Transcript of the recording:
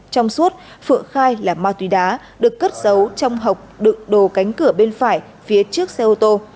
trong suốt phượng khai là ma túy đá được cất giấu trong hộp đựng đồ cánh cửa bên phải phía trước xe ô tô